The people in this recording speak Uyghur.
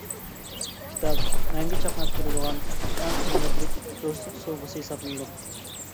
كىتاب مەڭگۈ چاقناپ تۇرىدىغان، ئەڭ قىممەتلىك دوستلۇق سوۋغىسى ھېسابلىنىدۇ.